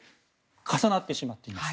重なってしまっています。